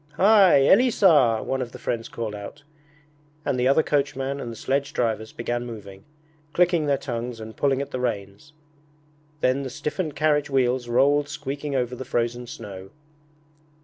'Hy, Elisar!' One of the friends called out, and the other coachman and the sledge drivers began moving, clicking their tongues and pulling at the reins. Then the stiffened carriage wheels rolled squeaking over the frozen snow.